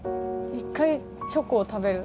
一回チョコを食べる。